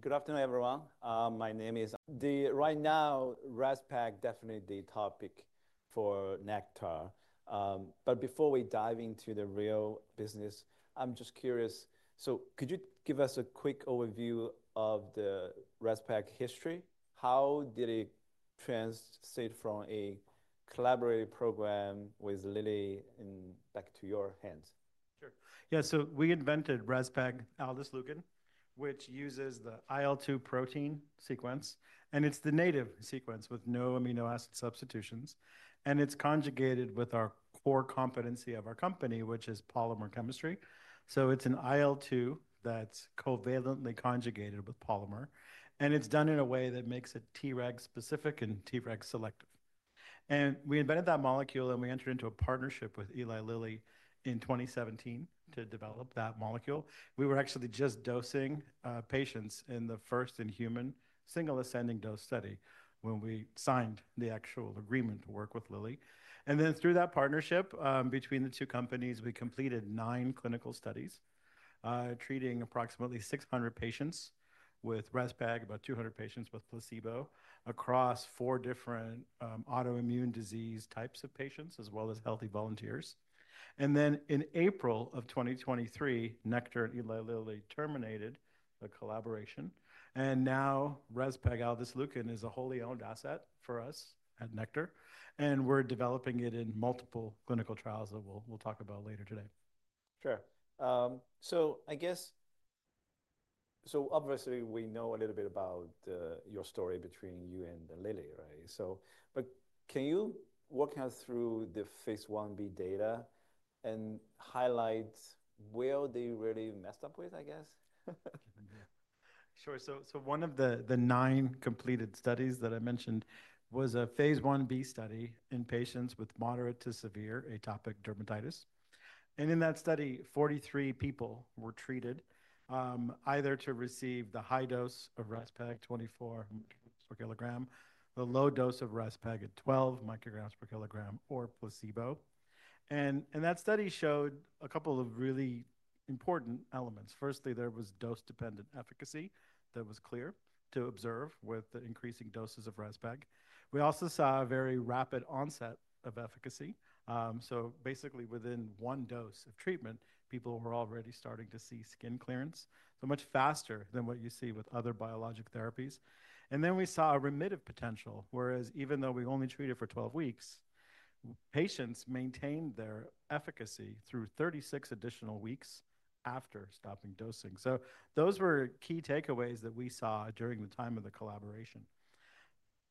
Good afternoon, everyone. My name is [Dee]. Right now, rezpegaldesleukin is definitely the topic for Nektar. Before we dive into the real business, I'm just curious, could you give us a quick overview of the rezpegaldesleukin history? How did it transition from a collaborative program with Lilly back to your hands? Sure. Yeah, so we invented rezpegaldesleukin, which uses the IL-2 protein sequence, and it's the native sequence with no amino acid substitutions. It's conjugated with our core competency of our company, which is polymer chemistry. It's an IL-2 that's covalently conjugated with polymer, and it's done in a way that makes it Treg specific and Treg selective. We invented that molecule, and we entered into a partnership with Eli Lilly in 2017 to develop that molecule. We were actually just dosing patients in the first in-human single ascending dose study when we signed the actual agreement to work with Lilly. Through that partnership between the two companies, we completed nine clinical studies treating approximately 600 patients with rezpegaldesleukin, about 200 patients with placebo across four different autoimmune disease types of patients, as well as healthy volunteers. In April of 2023, Nektar and Eli Lilly terminated the collaboration. Now rezpegaldesleukin is a wholly owned asset for us at Nektar, and we're developing it in multiple clinical trials that we'll talk about later today. Sure. So I guess, so obviously we know a little bit about your story between you and Eli Lilly, right? So, but can you walk us through the phase I-B data and highlight where they really messed up with, I guess? Sure. One of the nine completed studies that I mentioned was a phase I-B study in patients with moderate to severe atopic dermatitis. In that study, 43 people were treated either to receive the high dose of rezpegaldesleukin, 24 mcg/kg, the low dose of rezpegaldesleukin at 12 mcg/ kg, or placebo. That study showed a couple of really important elements. Firstly, there was dose-dependent efficacy that was clear to observe with the increasing doses of rezpegaldesleukin. We also saw a very rapid onset of efficacy. Basically, within one dose of treatment, people were already starting to see skin clearance, much faster than what you see with other biologic therapies. We saw a remissive potential, whereas even though we only treated for 12 weeks, patients maintained their efficacy through 36 additional weeks after stopping dosing. Those were key takeaways that we saw during the time of the collaboration.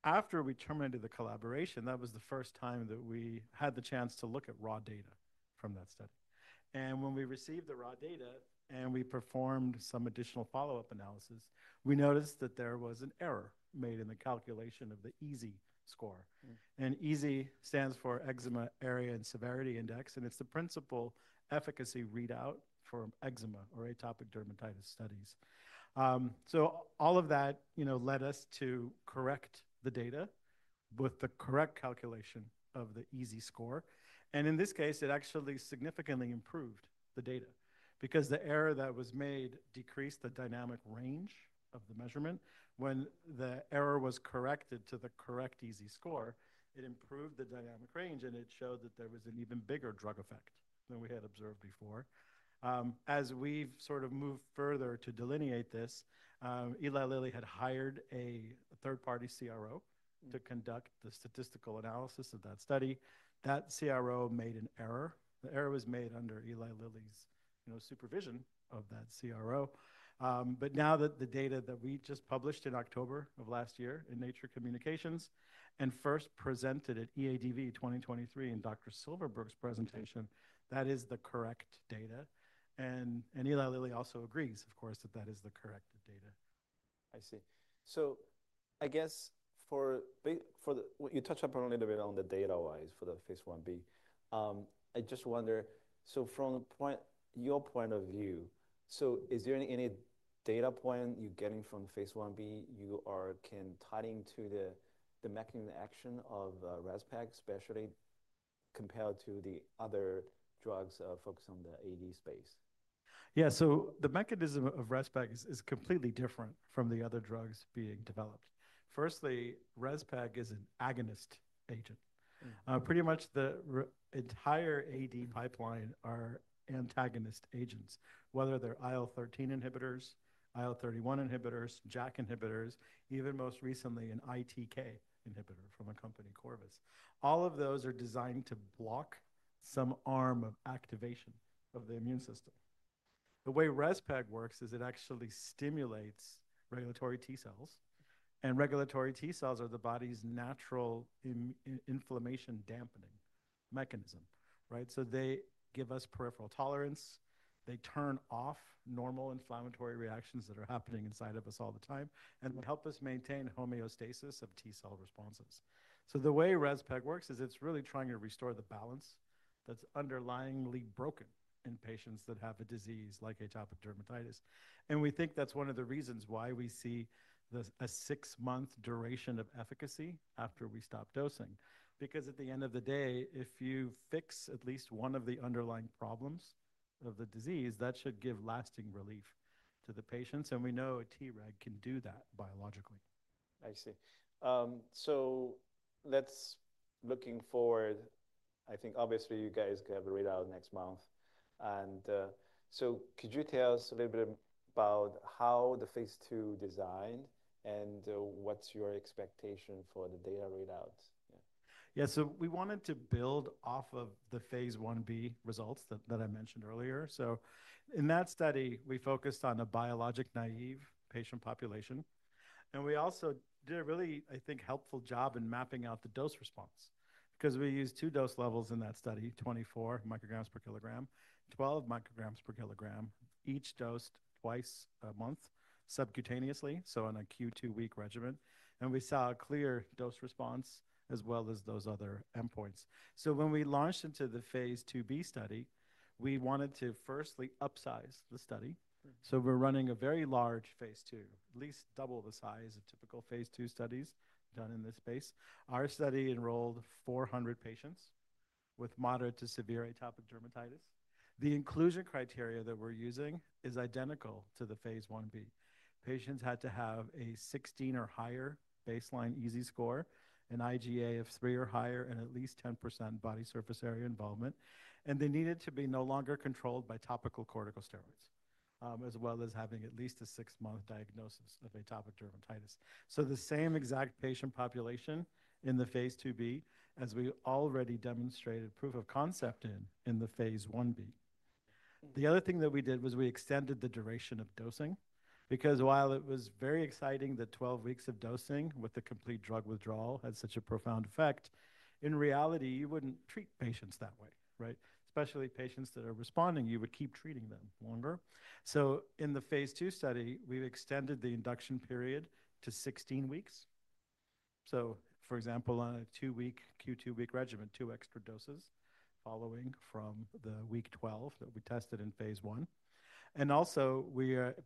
After we terminated the collaboration, that was the first time that we had the chance to look at raw data from that study. When we received the raw data and we performed some additional follow-up analysis, we noticed that there was an error made in the calculation of the EASI score. EASI stands for Eczema Area and Severity Index, and it is the principal efficacy readout for eczema or atopic dermatitis studies. All of that led us to correct the data with the correct calculation of the EASI score. In this case, it actually significantly improved the data because the error that was made decreased the dynamic range of the measurement. When the error was corrected to the correct EASI score, it improved the dynamic range, and it showed that there was an even bigger drug effect than we had observed before. As we've sort of moved further to delineate this, Eli Lilly had hired a third-party CRO to conduct the statistical analysis of that study. That CRO made an error. The error was made under Eli Lilly's supervision of that CRO. Now that the data that we just published in October of last year in Nature Communications and first presented at EADV 2023 in Dr. Silverberg's presentation, that is the correct data. Eli Lilly also agrees, of course, that that is the correct data. I see. I guess for what you touched upon a little bit on the data-wise for the phase I-B, I just wonder, from your point of view, is there any data point you're getting from phase I-B you can tie into the mechanism of action of rezpegaldesleukin, especially compared to the other drugs focused on the atopic dermatitis space? Yeah, so the mechanism of rezpegaldesleukin is completely different from the other drugs being developed. Firstly, rezpegaldesleukin is an agonist agent. Pretty much the entire AD pipeline are antagonist agents, whether they're IL-13 inhibitors, IL-31 inhibitors, JAK inhibitors, even most recently an ITK inhibitor from a company, Corvus. All of those are designed to block some arm of activation of the immune system. The way rezpegaldesleukin works is it actually stimulates regulatory T cells, and regulatory T cells are the body's natural inflammation dampening mechanism, right? They give us peripheral tolerance, they turn off normal inflammatory reactions that are happening inside of us all the time, and they help us maintain homeostasis of T-cell responses. The way rezpegaldesleukin works is it's really trying to restore the balance that's underlyingly broken in patients that have a disease like atopic dermatitis. We think that's one of the reasons why we see a six-month duration of efficacy after we stop dosing, because at the end of the day, if you fix at least one of the underlying problems of the disease, that should give lasting relief to the patients. We know a Treg can do that biologically. I see. That's looking forward. I think obviously you guys have a readout next month. Could you tell us a little bit about how the phase two is designed and what's your expectation for the data readout? Yeah, so we wanted to build off of the phase I-B results that I mentioned earlier. In that study, we focused on a biologic naive patient population. We also did a really, I think, helpful job in mapping out the dose response because we used two dose levels in that study, 24 mcg/kg, 12 mcg/kg, each dosed twice a month subcutaneously, on a Q2 week regimen. We saw a clear dose response as well as those other endpoints. When we launched into the phase II-B study, we wanted to firstly upsize the study. We are running a very large phase II, at least double the size of typical phase two studies done in this space. Our study enrolled 400 patients with moderate to severe atopic dermatitis. The inclusion criteria that we are using is identical to the phase I-B. Patients had to have a 16 or higher baseline EASI score, an IgA of 3 or higher, and at least 10% body surface area involvement. They needed to be no longer controlled by topical corticosteroids, as well as having at least a six-month diagnosis of atopic dermatitis. The same exact patient population in the phase II-B, as we already demonstrated proof of concept in the phase I-B. The other thing that we did was we extended the duration of dosing because while it was very exciting that 12 weeks of dosing with the complete drug withdrawal had such a profound effect, in reality, you would not treat patients that way, right? Especially patients that are responding, you would keep treating them longer. In the phase II study, we have extended the induction period to 16 weeks. For example, on a two-week, Q2 week regimen, two extra doses following from the week 12 that we tested in phase I. We also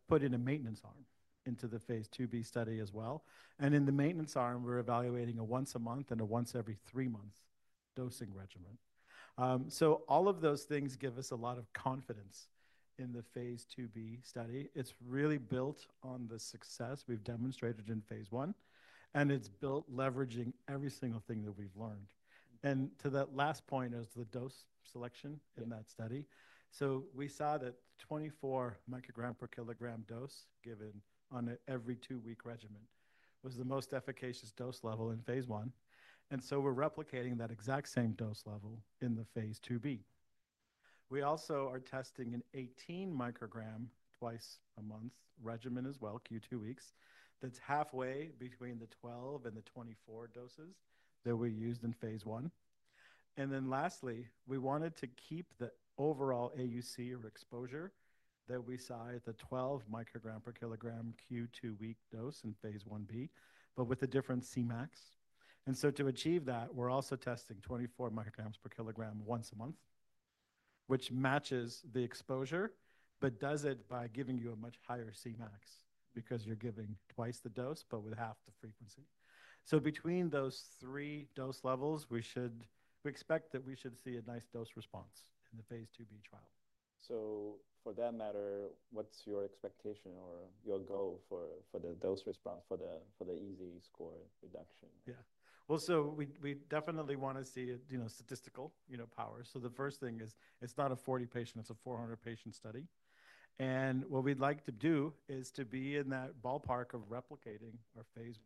put in a maintenance arm into the phase II-B study as well. In the maintenance arm, we're evaluating a once a month and a once every three months dosing regimen. All of those things give us a lot of confidence in the phase II-B study. It's really built on the success we've demonstrated in phase one, and it's built leveraging every single thing that we've learned. To that last point as to the dose selection in that study, we saw that 24 mcg/kg dose given on an every two-week regimen was the most efficacious dose level in phase I. We're replicating that exact same dose level in the phase II-B. We also are testing an 18 mcg twice a month regimen as well, Q2 weeks. That's halfway between the 12 and the 24 doses that we used in phase I. Lastly, we wanted to keep the overall AUC or exposure that we saw at the 12 mcg/kg Q2 week dose in phase I-B, but with a different Cmax. To achieve that, we're also testing 24 mcg/kg once a month, which matches the exposure, but does it by giving you a much higher Cmax because you're giving twice the dose, but with half the frequency. Between those three dose levels, we expect that we should see a nice dose response in the phase II-B trial. For that matter, what's your expectation or your goal for the dose response for the EASI score reduction? Yeah. We definitely want to see statistical power. The first thing is it's not a 40 patient, it's a 400 patient study. What we'd like to do is to be in that ballpark of replicating our phase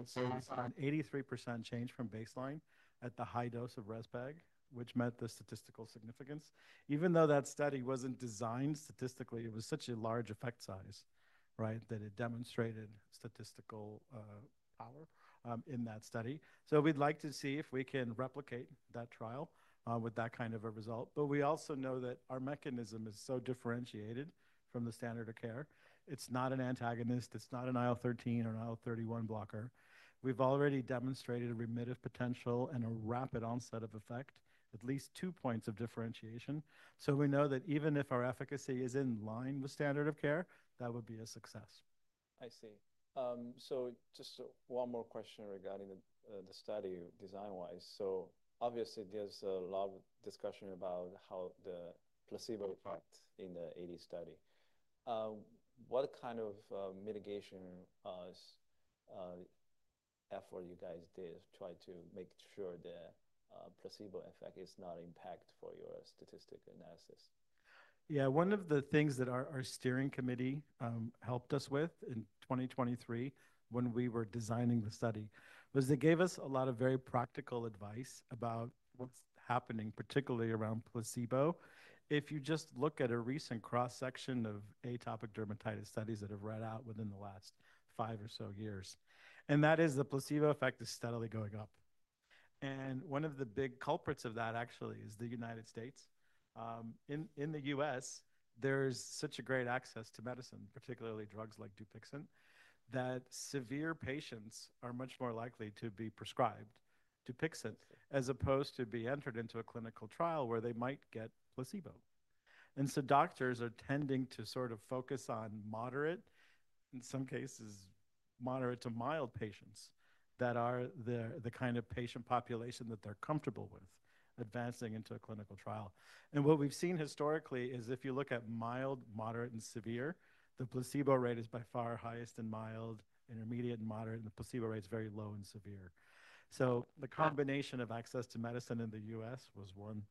Is. We saw an 83% change from baseline at the high dose of rezpegaldesleukin, which meant the statistical significance. Even though that study wasn't designed statistically, it was such a large effect size, right, that it demonstrated statistical power in that study. We'd like to see if we can replicate that trial with that kind of a result. We also know that our mechanism is so differentiated from the standard of care. It's not an antagonist. It's not an IL-13 or an IL-31 blocker. We've already demonstrated a remissive potential and a rapid onset of effect, at least two points of differentiation. We know that even if our efficacy is in line with standard of care, that would be a success. I see. Just one more question regarding the study design-wise. Obviously there's a lot of discussion about the placebo effect in the AD study. What kind of mitigation effort did you guys do to try to make sure the placebo effect is not an impact for your statistical analysis? Yeah, one of the things that our steering committee helped us with in 2023 when we were designing the study was they gave us a lot of very practical advice about what's happening, particularly around placebo. If you just look at a recent cross-section of atopic dermatitis studies that have read out within the last five or so years, the placebo effect is steadily going up. One of the big culprits of that actually is the U.S. In the U.S., there's such a great access to medicine, particularly drugs like Dupixent, that severe patients are much more likely to be prescribed Dupixent as opposed to be entered into a clinical trial where they might get placebo. Doctors are tending to sort of focus on moderate, in some cases moderate to mild patients that are the kind of patient population that they're comfortable with advancing into a clinical trial. What we've seen historically is if you look at mild, moderate, and severe, the placebo rate is by far highest in mild, intermediate, and moderate, and the placebo rate is very low in severe. The combination of access to medicine in the U.S. was one.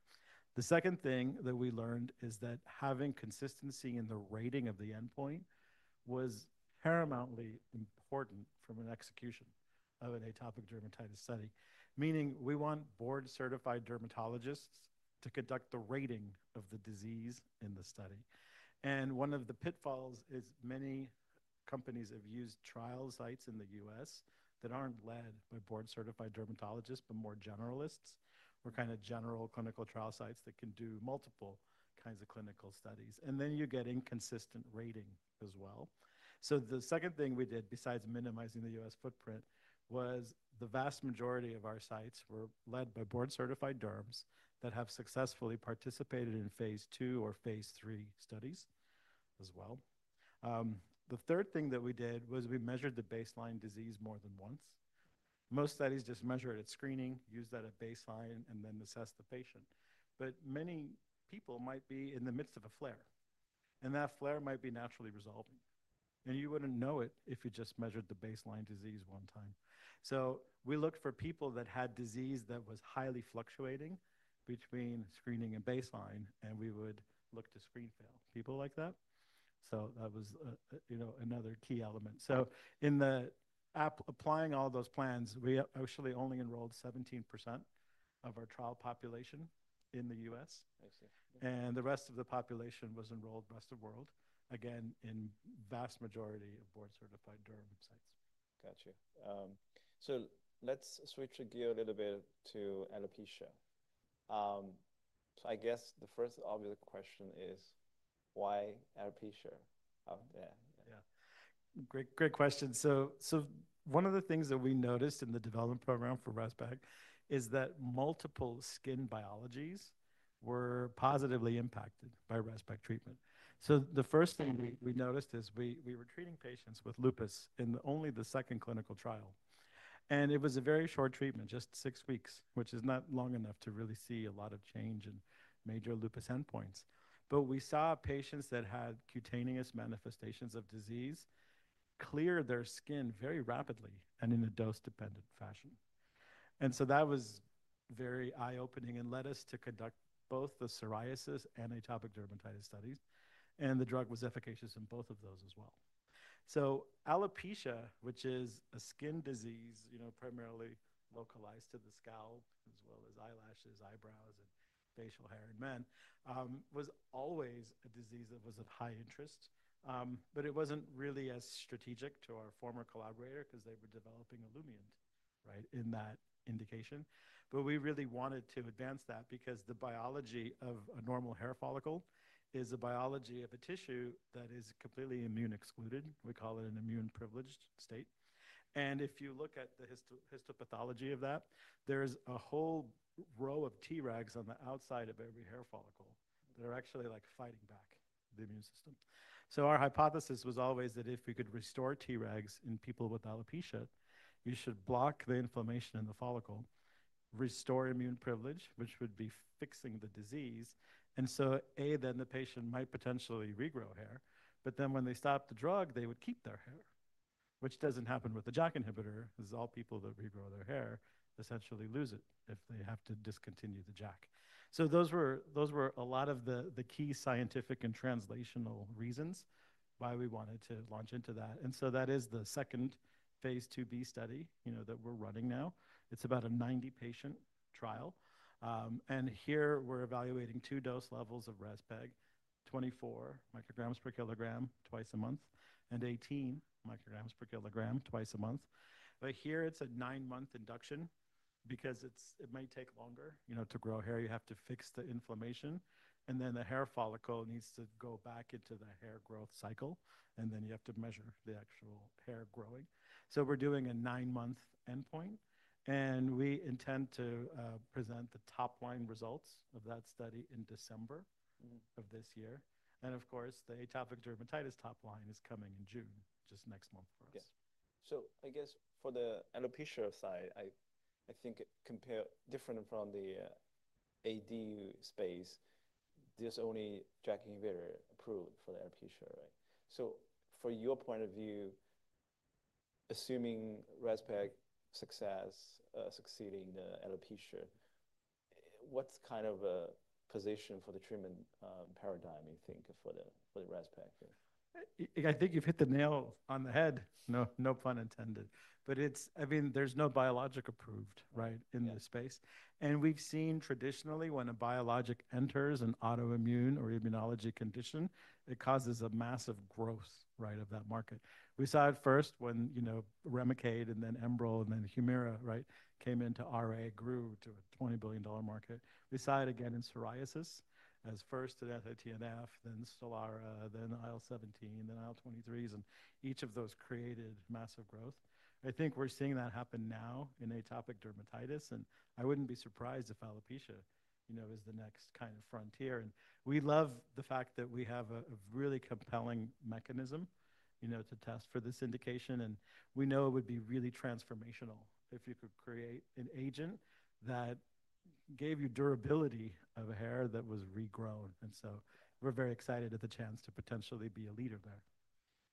The second thing that we learned is that having consistency in the rating of the endpoint was paramountly important from an execution of an atopic dermatitis study, meaning we want board-certified dermatologists to conduct the rating of the disease in the study. One of the pitfalls is many companies have used trial sites in the U.S. that are not led by board-certified dermatologists, but more generalists, or kind of general clinical trial sites that can do multiple kinds of clinical studies. You get inconsistent rating as well. The second thing we did besides minimizing the U.S. footprint was the vast majority of our sites were led by board-certified derms that have successfully participated in phase II or phase III studies as well. The third thing that we did was we measured the baseline disease more than once. Most studies just measure it at screening, use that at baseline, and then assess the patient. Many people might be in the midst of a flare, and that flare might be naturally resolving. You would not know it if you just measured the baseline disease one time. We looked for people that had disease that was highly fluctuating between screening and baseline, and we would look to screen fail people like that. That was another key element. In applying all those plans, we actually only enrolled 17% of our trial population in the U.S., and the rest of the population was enrolled rest of world, again, in vast majority of board-certified derm sites. Got you. Let's switch gears a little bit to alopecia. I guess the first obvious question is why alopecia up there? Yeah. Great question. One of the things that we noticed in the development program for rezpegaldesleukin is that multiple skin biologies were positively impacted by rezpegaldesleukin treatment. The first thing we noticed is we were treating patients with lupus in only the second clinical trial. It was a very short treatment, just six weeks, which is not long enough to really see a lot of change in major lupus endpoints. We saw patients that had cutaneous manifestations of disease clear their skin very rapidly and in a dose-dependent fashion. That was very eye-opening and led us to conduct both the psoriasis and atopic dermatitis studies, and the drug was efficacious in both of those as well. Alopecia, which is a skin disease primarily localized to the scalp, as well as eyelashes, eyebrows, and facial hair in men, was always a disease that was of high interest. It was not really as strategic to our former collaborator because they were developing Olumiant, right, in that indication. We really wanted to advance that because the biology of a normal hair follicle is a biology of a tissue that is completely immune excluded. We call it an immune privileged state. If you look at the histopathology of that, there is a whole row of Tregs on the outside of every hair follicle that are actually like fighting back the immune system. Our hypothesis was always that if we could restore Tregs in people with alopecia, we should block the inflammation in the follicle, restore immune privilege, which would be fixing the disease. A, then the patient might potentially regrow hair, but then when they stop the drug, they would keep their hair, which does not happen with the JAK inhibitor because all people that regrow their hair essentially lose it if they have to discontinue the JAK. Those were a lot of the key scientific and translational reasons why we wanted to launch into that. That is the second phase II-B study that we are running now. It is about a 90-patient trial. Here we are evaluating two dose levels of rezpegaldesleukin, 24 mcg/kg twice a month and 18 mcg/kg twice a month. Here it is a nine-month induction because it may take longer to grow hair. You have to fix the inflammation, and then the hair follicle needs to go back into the hair growth cycle, and then you have to measure the actual hair growing. We are doing a nine-month endpoint, and we intend to present the top line results of that study in December of this year. Of course, the atopic dermatitis top line is coming in June, just next month for us. I guess for the alopecia side, I think compared different from the AD space, there's only JAK inhibitor approved for the alopecia, right? From your point of view, assuming rezpegaldesleukin success, succeeding the alopecia, what's kind of a position for the treatment paradigm, you think, for the rezpegaldesleukin? I think you've hit the nail on the head. No pun intended. I mean, there's no biologic approved, right, in this space. We've seen traditionally when a biologic enters an autoimmune or immunology condition, it causes a massive growth, right, of that market. We saw it first when Remicade and then Enbrel and then Humira, right, came into RA, grew to a $20 billion market. We saw it again in psoriasis as first to TNF, then Stelara, then IL-17, then IL-23s, and each of those created massive growth. I think we're seeing that happen now in atopic dermatitis, and I wouldn't be surprised if alopecia is the next kind of frontier. We love the fact that we have a really compelling mechanism to test for this indication, and we know it would be really transformational if you could create an agent that gave you durability of hair that was regrown. We are very excited at the chance to potentially be a leader there.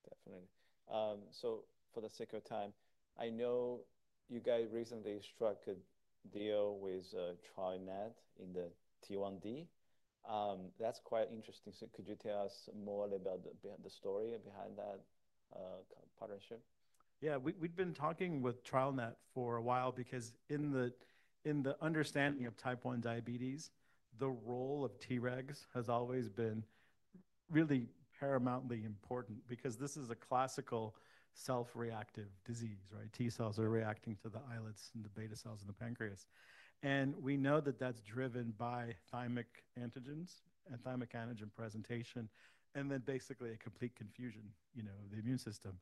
Definitely. For the sake of time, I know you guys recently struck a deal with TrialNet in the T1D. That's quite interesting. Could you tell us more about the story behind that partnership? Yeah, we've been talking with TrialNet for a while because in the understanding of type 1 diabetes, the role of Tregs has always been really paramountly important because this is a classical self-reactive disease, right? T cells are reacting to the islets and the beta cells in the pancreas. We know that that's driven by thymic antigens and thymic antigen presentation, and then basically a complete confusion of the immune system.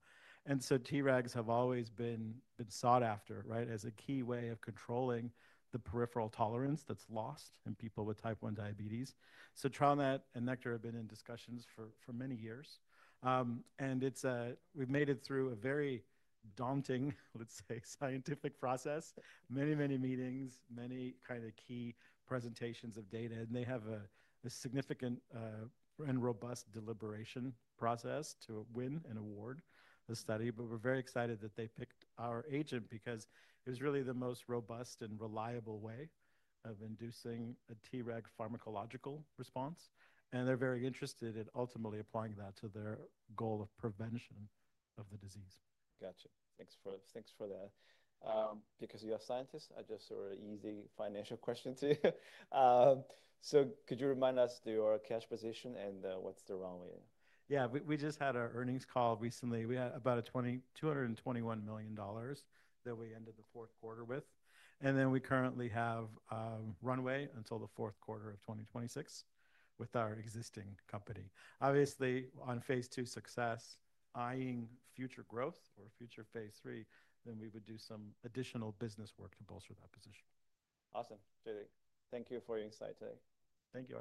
Tregs have always been sought after, right, as a key way of controlling the peripheral tolerance that's lost in people with type 1 diabetes. TrialNet and Nektar have been in discussions for many years. We've made it through a very daunting, let's say, scientific process, many, many meetings, many kind of key presentations of data, and they have a significant and robust deliberation process to win an award, the study. We are very excited that they picked our agent because it was really the most robust and reliable way of inducing a Treg pharmacological response. They are very interested in ultimately applying that to their goal of prevention of the disease. Got you. Thanks for that. Because you're a scientist, I just threw an easy financial question to you. Could you remind us of your cash position and what's the runway? Yeah, we just had our earnings call recently. We had about $221 million that we ended the fourth quarter with. We currently have runway until the fourth quarter of 2026 with our existing company. Obviously, on phase II success, eyeing future growth or future phase III, we would do some additional business work to bolster that position. Awesome. Thank you for your insight today. Thank you.